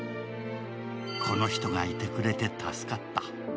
この人がいてくれて助かった。